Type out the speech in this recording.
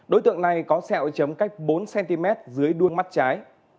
đối tượng này có xeo chấm cách bốn cm dưới đuông mắt trái